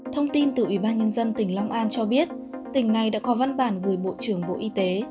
thông tin từ ubnd tỉnh lòng an cho biết tỉnh này đã có văn bản gửi bộ trưởng bộ y tế